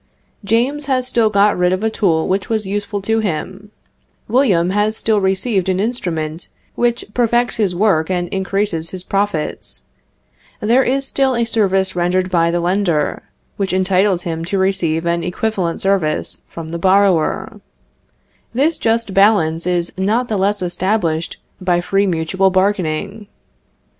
James has still got rid of a tool which was useful to him; William has still received an instrument which perfects his work and increases his profits; there is still a service rendered by the lender, which entitles him to receive an equivalent service from the borrower; this just balance is not the less established by free mutual bargaining.